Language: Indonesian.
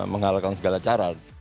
mengalahkan segala cara